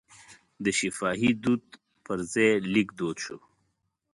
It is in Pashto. د شفاهي دود پر ځای لیک دود شو.